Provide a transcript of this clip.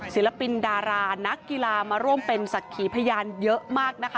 ศิลปินดารานักกีฬามาร่วมเป็นศักดิ์ขีพยานเยอะมากนะคะ